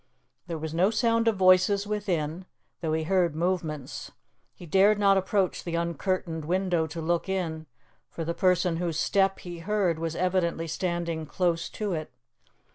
There was no sound of voices within, though he heard movements; he dared not approach the uncurtained window to look in, for the person whose step he heard was evidently standing close to it.